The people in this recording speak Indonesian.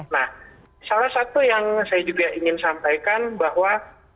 nah salah satu yang saya juga ingin sampaikan bahwa